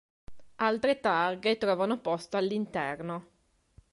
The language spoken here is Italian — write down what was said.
Altre targhe trovano posto all'interno.